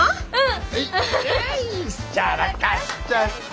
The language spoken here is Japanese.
うん？